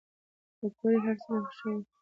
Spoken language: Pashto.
پکورې هر سړی خوښوي